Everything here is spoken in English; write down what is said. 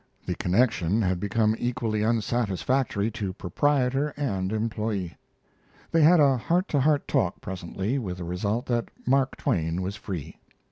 The connection had become equally unsatisfactory to proprietor and employee. They had a heart to heart talk presently, with the result that Mark Twain was free.